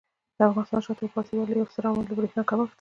د افغانستان د شاته پاتې والي یو ستر عامل د برېښنا کمښت دی.